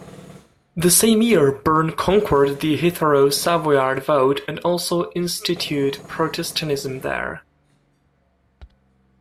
The same year, Bern conquered the hitherto Savoyard Vaud and also instituted Protestantism there.